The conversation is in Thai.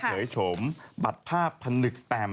โฉมบัตรภาพพนึกสแตม